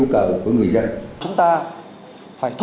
đặc biệt là thông tin